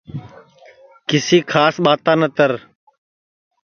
کسی کھاس ٻاتا نتر